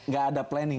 gak ada planning